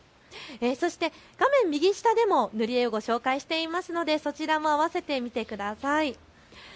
そして画面右下でも塗り絵をご紹介していますのでそちらもあわせて見てください。